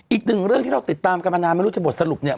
อีกหนึ่งเรื่องที่เราติดตามกันมานานไม่รู้จะบทสรุปเนี่ย